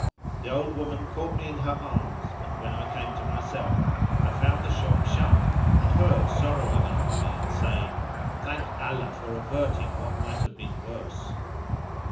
The old woman caught me in her arms and, when I came to myself, I found the shop shut up and her sorrowing over me and saying, "Thank Allah for averting which might have been worse!"